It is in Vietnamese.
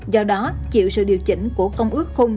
do đó chịu sự điều chỉnh của công ước khung